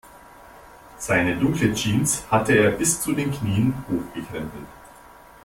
Seine dunkle Jeans hatte er bis zu den Knien hochgekrempelt.